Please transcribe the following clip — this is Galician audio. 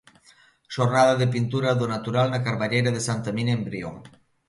Xornada de pintura do natural na Carballeira de Santa Minia en Brión.